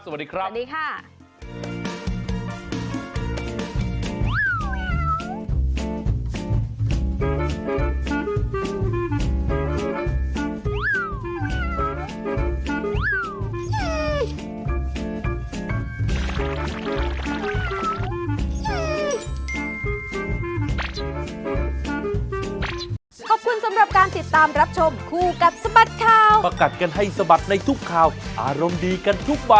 สวัสดีครับ